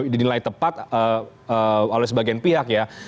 dinilai tepat oleh sebagian pihak ya